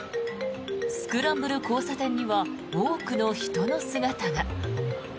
スクランブル交差点には多くの人の姿が。